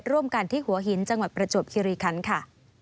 ร่วมกันที่หัวหินจังหวัดประจวบคิริคันค่ะ